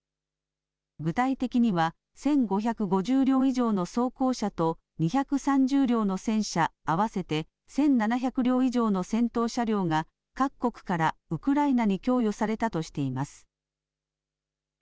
具体的には１５５０両以上の装甲車と２３０両の戦車合わせて１７００両以上の戦闘車両が各国からウクライナに供与されたとしています。